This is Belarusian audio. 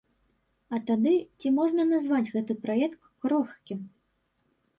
А тады, ці можна назваць гэты праект крохкім?